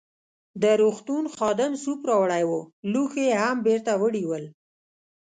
د روغتون خادم سوپ راوړی وو، لوښي يې هم بیرته وړي ول.